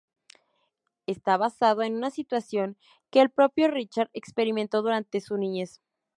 Está basado en una situación que el propio Richards experimentó durante su niñez.